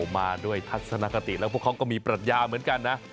มาด้วยทัศนคติแล้วพวกเขาก็มีปรัชญาเหมือนกันนะ